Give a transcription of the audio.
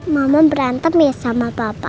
mama berantem ya sama bapak